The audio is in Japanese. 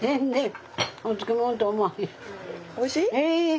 おいしい？